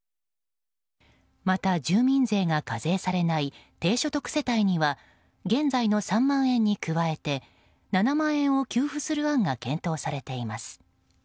また住民税が課税されない低所得世帯には現在の３万円に加えて７万円を給付する案が検討されています。